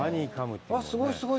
すごい、すごい。